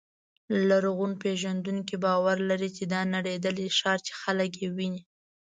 لرغونپېژندونکي باور لري چې دا نړېدلی ښار چې خلک یې ویني.